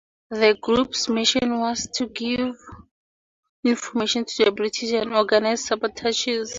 The group's mission was to give information to the British and to organize sabotages.